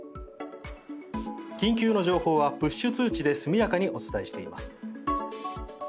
緊急の情報はプッシュ通知で速やかにお伝えしています。